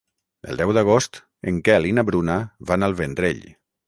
El deu d'agost en Quel i na Bruna van al Vendrell.